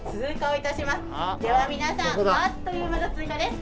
では皆さんあっという間の通過です。